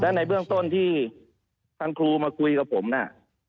ในเวลาที่ครูมาคุยกับผมนะ